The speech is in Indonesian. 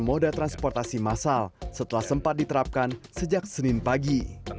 moda transportasi masal setelah sempat diterapkan sejak senin pagi